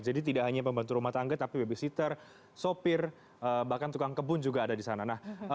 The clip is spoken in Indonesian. jadi tidak hanya pembantu rumah tangga tapi babysitter sopir bahkan tukang kebun juga ada di sana